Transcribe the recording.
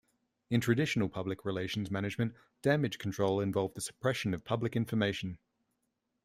In traditional public relations management, damage control involved the suppression of public information.